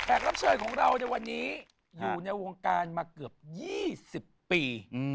รับเชิญของเราในวันนี้อยู่ในวงการมาเกือบ๒๐ปี